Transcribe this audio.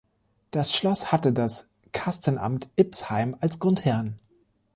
Das Schloss hatte das Kastenamt Ipsheim als Grundherrn.